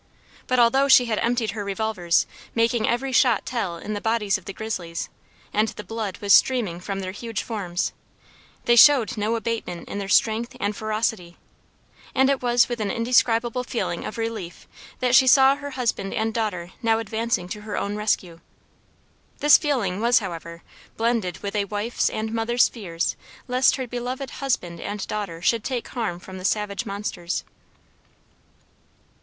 But although she had emptied her revolvers, making every shot tell in the bodies of the grizzlies, and the blood was streaming from their huge forms, they showed no abatement in their strength and ferocity, and it was with an indescribable feeling of relief that she saw her husband and daughter now advancing to her own rescue. This feeling was, however, blended with a wife's and mother's fears lest her beloved husband and daughter should take harm from the savage monsters.